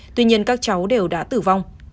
tuy nhiên các cháu đều đã tử vong